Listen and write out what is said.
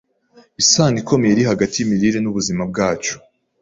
isano ikomeye iri hagati y’imirire n’ubuzima bwacu,